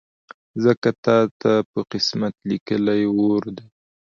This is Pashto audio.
ځکه تاته په قسمت لیکلی اور دی